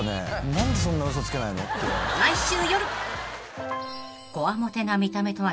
［来週夜］